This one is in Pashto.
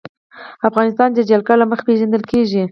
افغانستان د جلګه له مخې پېژندل کېږي.